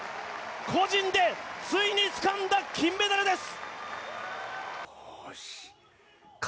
個人で、ついにつかんだ金メダルです。